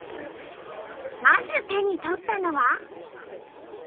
まず手に取ったのは。